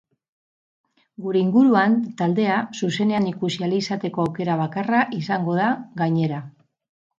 Gure inguruan taldea zuzenean ikusi ahal izateko aukera bakarra izango da, gainera.